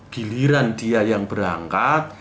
giliran dia yang berangkat